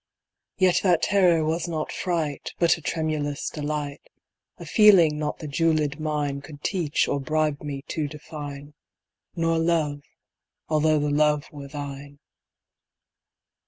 Yet that terror was not fright, But a tremulous delight— A feeling not the jewelled mine Could teach or bribe me to define— Nor Love—although the Love were thine.